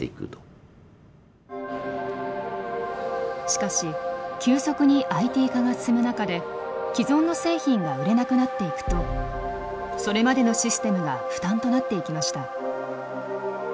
しかし急速にＩＴ化が進む中で既存の製品が売れなくなっていくとそれまでのシステムが負担となっていきました。